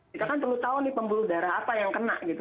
kita kan perlu tahu nih pembuluh darah apa yang kena gitu